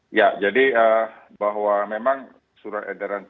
mengapa tidak lebih ketat begitu bagi wna ataupun orang orang yang baru perjalanan dari luar negeri